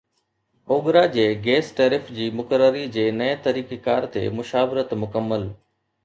OGRA جي gas tariff جي مقرري جي نئين طريقيڪار تي مشاورت مڪمل